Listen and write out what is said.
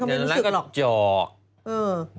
เดี๋ยวไงแล้วก็เจาะ